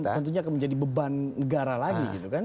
tentunya akan menjadi beban negara lagi gitu kan